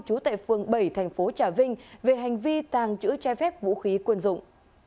trú tại phường bảy thành phố trà vinh về hành vi tàng trữ trái phép vũ khí quân dụng